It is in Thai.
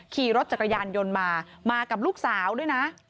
ขี่รถจักรยานยนต์มามากับลูกสาวด้วยนะ